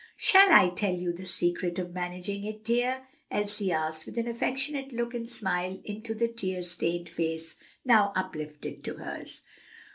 "Shall I tell you the secret of managing it, dear?" Elsie asked, with an affectionate look and smile into the tear stained face now uplifted to hers.